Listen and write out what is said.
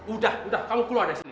udah udah kamu keluar dari sini